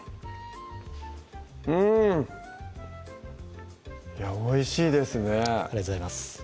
うんいやおいしいですねありがとうございます